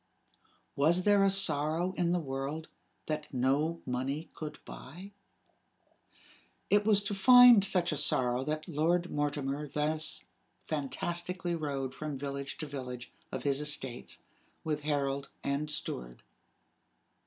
Was there a sorrow in the world that no money could buy? It was to find such a sorrow that Lord Mortimer thus fantastically rode from village to village of his estates, with herald and steward.